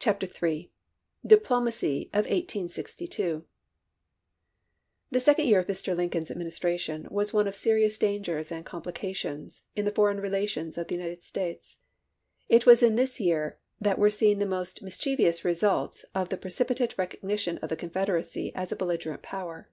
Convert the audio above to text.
CHAPTEE III DIPLOMACY OF 1862 THE second year of Mr. Lincoln's Administra chap. ni. tion was one of serious dangers and complica tions in the foreign relations of the United States. It was in this year that were seen the most mischiev ous results of the precipitate recognition of the Confederacy as a belligerent power.